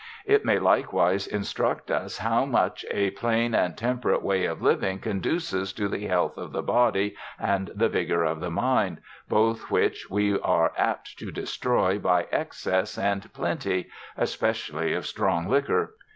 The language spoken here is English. It may likewise instruct us how much a plain and temperate way of living conduces to the health of the body and the vigour of the mind, both which we are apt to destroy by excess and plenty, especially of strong liquor.